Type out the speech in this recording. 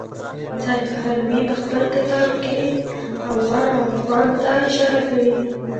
سیف هروي په خپل کتاب کې اوغان او افغان ته اشاره کوي.